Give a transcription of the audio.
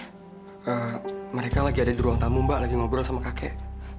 terus mereka lagi ada di ruang tamu mbak lagi ngobrol sama kakek